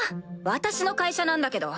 私の会社なんだけど。